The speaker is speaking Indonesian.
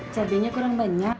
cabainya kurang banyak